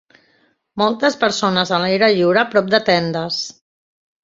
Moltes persones a l'aire lliure a prop de tendes.